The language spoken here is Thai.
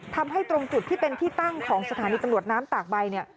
ตรงจุดที่เป็นที่ตั้งของสถานีตำรวจน้ำตากใบเนี่ย